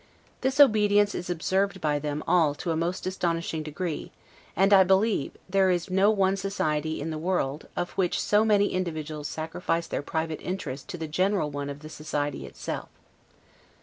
This obedience is observed by them all to a most astonishing degree; and, I believe, there is no one society in the world, of which so many individuals sacrifice their private interest to the general one of the society itself.